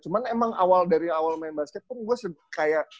cuman emang dari awal main basket pun gue kayak